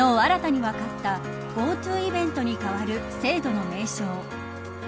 昨日新たにわかったＧｏＴｏイベントに代わる制度の名称